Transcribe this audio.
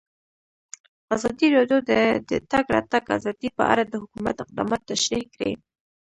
ازادي راډیو د د تګ راتګ ازادي په اړه د حکومت اقدامات تشریح کړي.